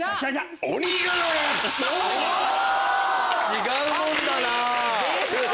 違うもんだな！